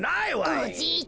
おじいちゃま。